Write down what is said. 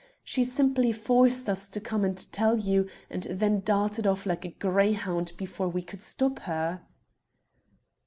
She simply forced us to come and tell you, and then darted off like a greyhound before we could stop her."